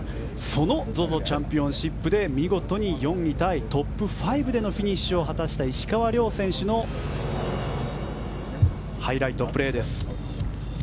そのＺＯＺＯチャンピオンシップで見事に４位タイトップ５でフィニッシュした石川遼選手のハイライトです。